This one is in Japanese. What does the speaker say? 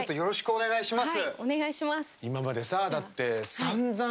お願いします。